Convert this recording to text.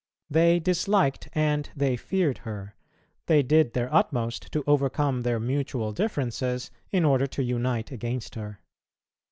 They disliked and they feared her; they did their utmost to overcome their mutual differences, in order to unite against her.